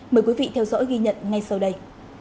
mời quý vị theo dõi ghi nhận ngay sau đây